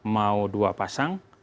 mau dua pasang